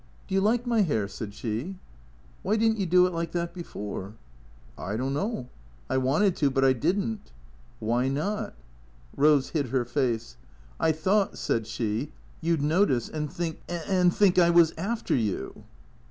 " Do you like my hair ?" said she. " Why did n't you do it like that before ?"" I don't know. I wanted to. But I did n't." "Wliy not?" Rose hid her face. " I thought," said she, " you 'd notice, and think — and think I was after you."